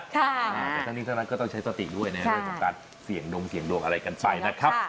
แต่ทั้งนี้ทั้งนั้นก็ต้องใช้สติด้วยในเรื่องของการเสี่ยงดงเสี่ยงดวงอะไรกันไปนะครับ